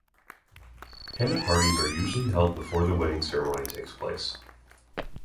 Henna parties are usually held before the wedding ceremony takes place.